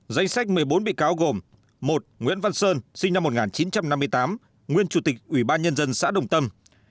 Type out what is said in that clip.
danh sách một mươi bốn bị cáo gồm một nguyễn văn sơn sinh năm một nghìn chín trăm năm mươi tám nguyên chủ tịch ủy ban nhân dân xã đồng tâm